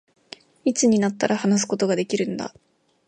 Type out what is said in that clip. いつになったら、話すことができるんだ